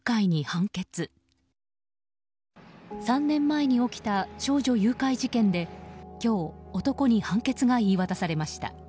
３年前に起きた少女誘拐事件で今日、男に判決が言い渡されました。